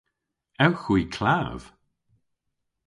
Ewgh hwi klav?